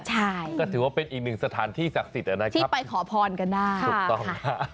ใช่ก็ถือว่าเป็นอีกหนึ่งสถานที่ศักดิ์สิทธิ์นะครับที่ไปขอพรกันได้ถูกต้อง